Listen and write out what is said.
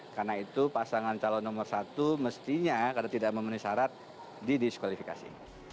karena itu pasangan calon nomor satu mestinya karena tidak memenuhi syarat didiskualifikasi